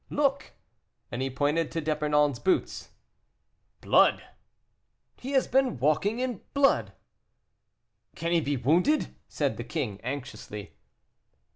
"Look," and he pointed to D'Epernon's boots. "Blood!" "He has been walking in blood." "Can he be wounded?" said the king, anxiously.